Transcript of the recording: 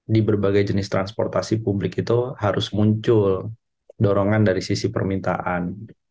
di berbagai jenis transportasi publik itu harus muncul dorongan dari sisi permintaan